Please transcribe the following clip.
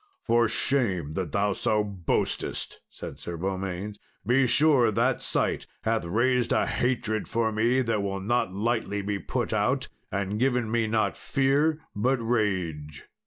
"For shame that thou so boastest!" said Sir Beaumains. "Be sure that sight hath raised a hatred for thee that will not lightly be put out, and given me not fear, but rage."